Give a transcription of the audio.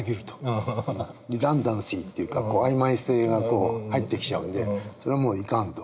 リダンダンシーというか曖昧性が入ってきちゃうんでそれはもういかんと。